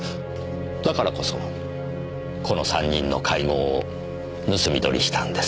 だからこそこの３人の会合を盗み撮りしたんです。